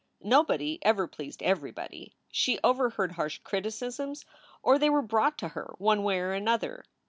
Nobody ever pleased everybody. She over heard harsh criticisms or they were brought to her one way or another.